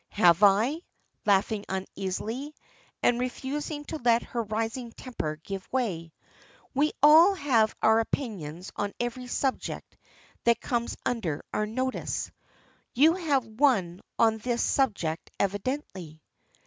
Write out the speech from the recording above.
"Have I?" laughing uneasily, and refusing to let her rising temper give way. "We all have our opinions on every subject that comes under our notice. You have one on this subject evidently."